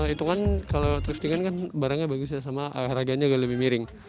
itu kan kalau thrifting kan barangnya bagus ya sama harganya agak lebih miring